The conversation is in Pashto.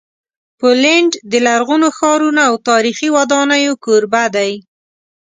پولینډ د لرغونو ښارونو او تاریخي ودانیو کوربه دی.